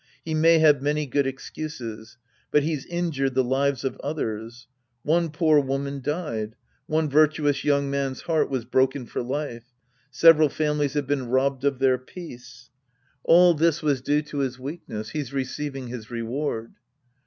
He may have many good excuses. But he's injured the lives of others. One poor woman died. One virtu ous young man's heart was broken for life. Several families have been robbed of their peace. All this 126 The Priest and His Disciples Act III was due to his weakness. He's receiving his reward.